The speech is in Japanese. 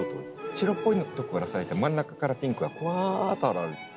白っぽいとこから咲いて真ん中からピンクがわっと現れて。